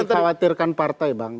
apa yang dikhawatirkan partai bang